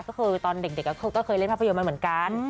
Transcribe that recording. ก็คือตอนเด็กก็เคยเล่นภาพยนตร์มาเหมือนกัน